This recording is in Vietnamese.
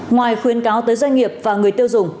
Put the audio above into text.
ngoài khuyến cáo tới doanh nghiệp và người tiêu dùng